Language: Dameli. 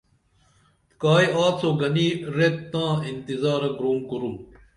کائی آڅو گنی ریت تاں انتظارہ گُرُم کُرم